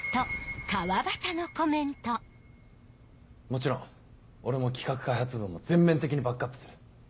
もちろん俺も企画開発部も全面的にバックアップする。